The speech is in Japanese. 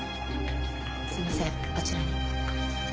すいませんあちらに。